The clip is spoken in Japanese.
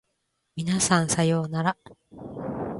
皆さんさようなら